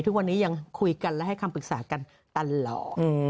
ทุกวันนี้ยังคุยกันและให้คำปรึกษากันตลอด